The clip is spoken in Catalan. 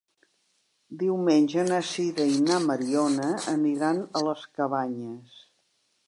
Diumenge na Sira i na Mariona aniran a les Cabanyes.